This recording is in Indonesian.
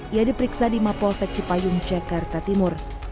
ia diperiksa di mapol sekci payung cekarta timur